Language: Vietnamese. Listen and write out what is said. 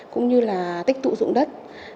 cũng như là tích tụ dụng đất